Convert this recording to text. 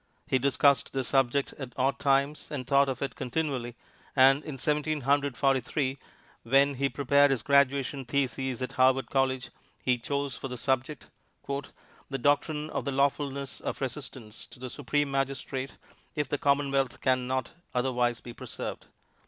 He discussed the subject at odd times and thought of it continually, and, in Seventeen Hundred Forty three, when he prepared his graduation thesis at Harvard College he chose for his subject, "The Doctrine of the Lawfulness of Resistance to the Supreme Magistrate if the Commonwealth Can Not Otherwise be Preserved."